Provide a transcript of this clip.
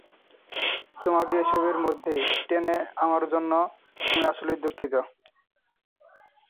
তোমাকে এসবের মধ্যে টেনে আনার জন্য আমি আসলেই দুঃখিত।